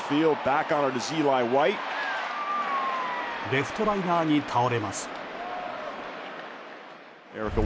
レフトライナーに倒れます。